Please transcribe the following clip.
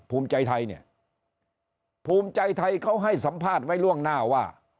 ภูมิใจไทยเนี่ยภูมิใจไทยเขาให้สัมภาษณ์ไว้ล่วงหน้าว่า